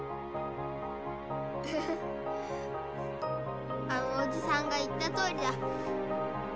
ハハあのおじさんが言ったとおりだ。